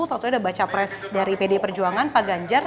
salah satunya ada baca pres dari pdi perjuangan pak ganjar